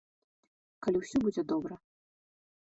Калі ўсё будзе добра.